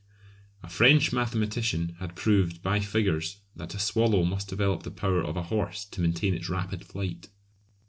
A French mathematician had proved by figures that a swallow must develop the power of a horse to maintain its rapid flight!